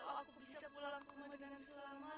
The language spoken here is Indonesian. itu semua tuh gak ada